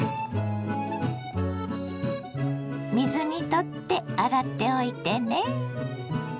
水にとって洗っておいてね。